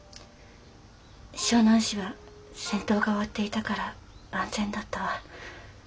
昭南市は戦闘が終わっていたから安全だったわ。